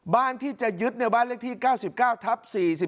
บ้านที่จะยึดบ้านเลขที่๙๙ทับ๔๔